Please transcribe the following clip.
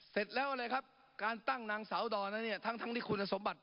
เสร็จแล้วอะไรครับการตั้งนางสาวดอนนั้นเนี่ยทั้งที่คุณสมบัติ